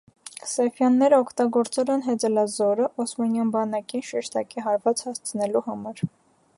Սեֆյանները օգտագործել են հեծելազորը՝ օսմանյան բանակին շեշտակի հարված հասցնելու համար։